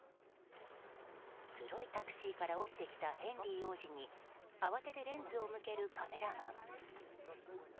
黒いタクシーから降りてきたヘンリー王子に慌ててレンズを向けるカメラマン。